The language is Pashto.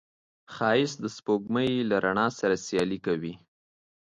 ښایست د سپوږمۍ له رڼا سره سیالي کوي